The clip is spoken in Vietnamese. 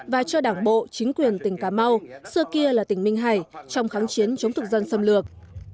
và cho đảng bộ chính quyền tỉnh cà mau xưa kia là tỉnh minh hải trong kháng chiến chống thực dân xâm lược